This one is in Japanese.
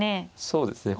そうですね。